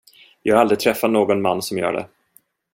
Jag har aldrig träffat någon man som gör det.